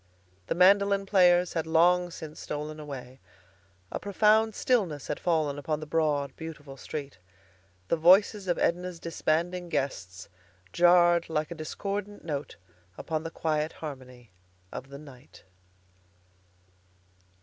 The mandolin players had long since stolen away. A profound stillness had fallen upon the broad, beautiful street. The voices of Edna's disbanding guests jarred like a discordant note upon the quiet harmony of the night.